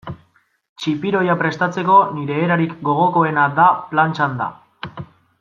Txipiroia prestatzeko nire erarik gogokoena da plantxan da.